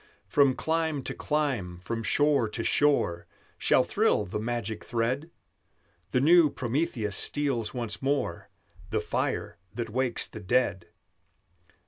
"From clime to clime, from shore to shore, Shall thrill the magic thread; The new Prometheus steals once more The fire that wakes the dead."